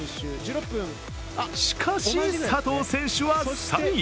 しかし、佐藤選手は３位。